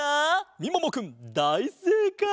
みももくんだいせいかい。